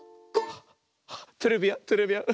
トレビアントレビアン。